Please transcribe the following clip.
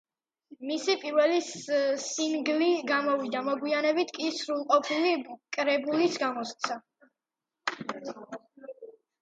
მისი პირველი სინგლი გამოვიდა, მოგვიანებით კი სრულყოფილი კრებულიც გამოსცა.